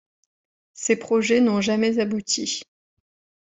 Ces projets n'ont jamais abouti.